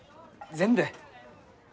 全部？